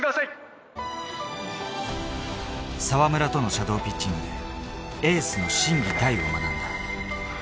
澤村とのシャドウピッチングで、エースの心・技・体を学んだ。